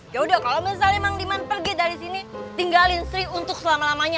yaudah kalau misalnya mang diman pergi dari sini tinggalin sri untuk selama lamanya